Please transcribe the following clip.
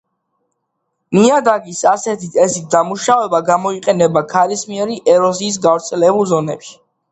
ნიადაგის ასეთი წესით დამუშავება გამოიყენება ქარისმიერი ეროზიის გავრცელებულ ზონებში.